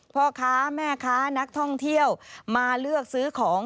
พ่อค้าแม่ค้านักท่องเที่ยวมาเลือกซื้อของ